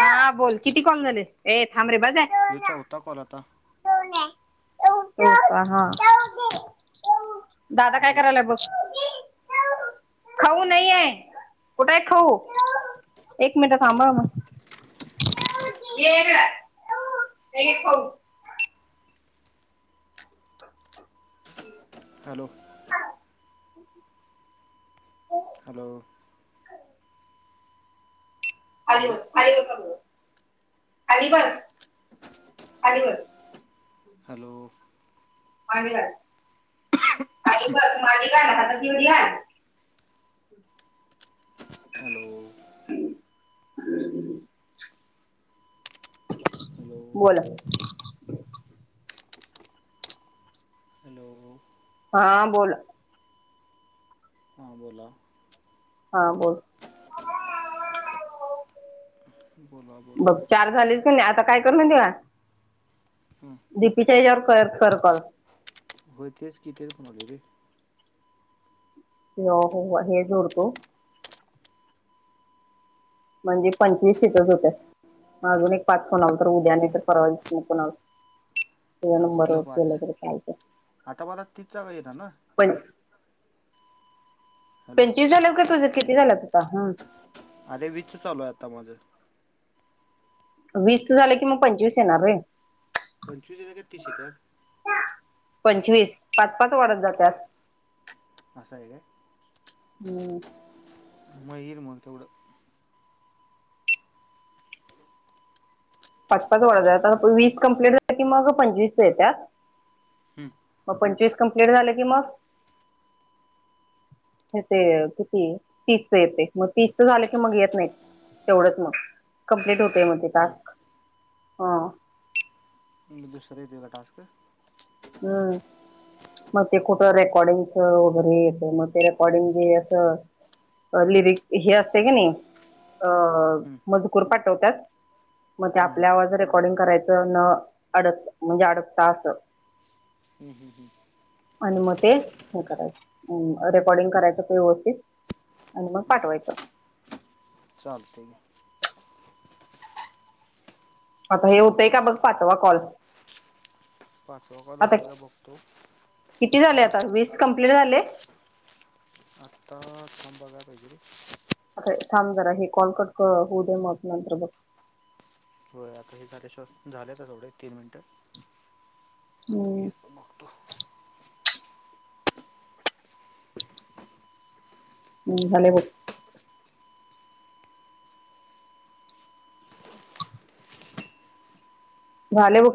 हा बोल किती कॉल झाले ए थांबरे बाजे. हे चौथा कॉल आता. [inaudible] [unintelligible] दादा काय बोल करायलाय बघ. खाऊ नाहीये, कुठय खाऊ? एक मिनिटं थांबाव मग. ये इकडं हे घे खाऊ. ह [unintelligible] हॅलो. ह हॅलो. खाली हॅलो उतर, खाली बस, खाली बस, हॅलो. मांडी घाल खाली ठेव मांडी आणि हाताची घडी घाल. हॅलो. हम् हम्म हॅलो बोल. हॅलो. हा बोल. हां बोला. हा बोल. बोला. बोला बघ चार झालेच कणी आता काय करून देवा. हं. डीपीच्या ह्याच्यावर परत कॉल कर. होय तेच की तेच म्हणालो रे. अ हो हेग उरतो [unintelligible] म्हणजे पंचवीस सीटच होते. अजून एक पाच फोन आला तर उद्या नाही तर परवावीच न कोणा. या नंबर कुठलं पाच केलं तरी कायच आता मला तीच जागा येणार ना पण. हॅलो पंचवीस झालं का तुझं किती झालं तुझा आता. अरे विस चालू आहे आता माझं. वीस तर झालं की, मग पंचवीस येणार रे. पंचवीस येत का तीस येतत्या. पंचवीस पाच पाच वाढत जातात. आस आहे काय? हम. मग येईल मग तेवढं. पाच पाच टप्पा वीस कंप्लीट की मग पंचवीस त्या हं, मग पंचवीस कमप्लीट झालं की मग. हे ते किती तीजच येते मग, तीजच झालं की मग येत नाही. तेवढंच मग कम्प्लीट होतय मग ते हं. टास्क. हा दुसर येत का टास्क? हम्म मग ते कुठं रेकॉर्डिंगचं वगैरे येत मग ते रेकॉर्डिंग जे येत, लिरिक हे असते क नाही अ हं, हं, मजकूर पाठवतत. मग ते हं. आपल्या आवाज रेकॉर्डिंग करायचं न अडक म्हणजे अडकता असं, हम् हम् हम् आणि मग ते हे करायचं रेकॉर्डिंग करायचं व्यवस्थित. आणि मग हं. पाठवायचं. चालतंय. आता हे होतंय का बघ पाचवा कॉल. पाचवा कॉल आता होतय का बघतो. किती झाले हा आता वीस कम्प्लीट झाले काय? आत्ता थांबा बघायला पाहिजे. असं थाम जरा हे कॉलकट होऊ दे मग नंतर बघ. होय आता हे झाले शिवाय झालेच एवढं तीन मिनट आता हम्म घेत- तो हम् झाले की बघ. झालेत कट -